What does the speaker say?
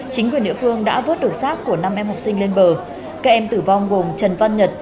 chính quyền địa phương đã vớt được xác của năm em học sinh lên bờ các em tử vong gồm trần văn nhật